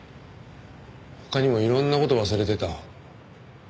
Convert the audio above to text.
他にもいろんな事忘れてた。